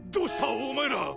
お前ら。